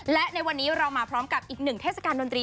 และในวันนี้เรามาพร้อมกับอีกหนึ่งเทศกาลดนตรี